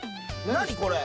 何これ？